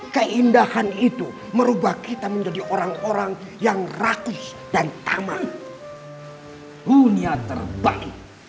keindahan itu merubah kita menjadi orang orang yang rakus dan tamat dunia terbang